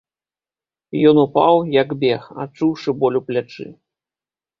Ён упаў, як бег, адчуўшы боль у плячы.